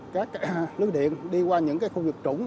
các lưới điện đi qua những khu vực trũng